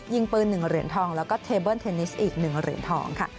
ยิงปืน๑เหรียญทองแล้วก็เทเบิ้ลเทนนิสอีก๑เหรียญทองค่ะ